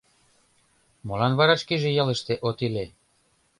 Молан вара шкеже ялыште от иле?..